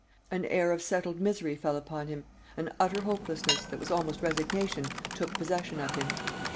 An air of settled misery fell upon him, an utter hopelessness, that was almost resignation, took possession of him.